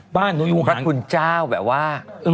บ้านหนูอยู่ห่างพระคุณเจ้าแบบว่า